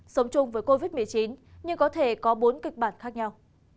sống chung với covid một mươi chín nhưng có thể có bốn kịch bản khác nhau